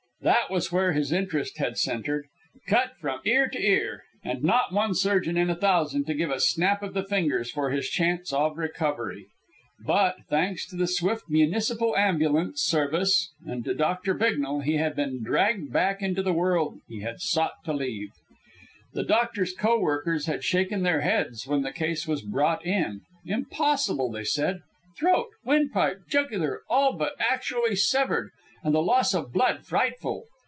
That was where his interest had centred. Cut from ear to ear, and not one surgeon in a thousand to give a snap of the fingers for his chance of recovery. But, thanks to the swift municipal ambulance service and to Doctor Bicknell, he had been dragged back into the world he had sought to leave. The Doctor's co workers had shaken their heads when the case was brought in. Impossible, they said. Throat, windpipe, jugular, all but actually severed, and the loss of blood frightful.